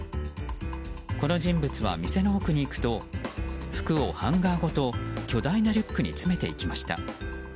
この人物は店の奥に行くと服をハンガーごと巨大なリュックに詰めていきました。